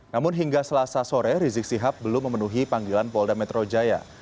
namun hingga selasa sore rizik sihab belum memenuhi panggilan polda metro jaya